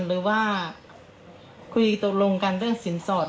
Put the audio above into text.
หรือว่าคุยตกลงกันเรื่องสินสอด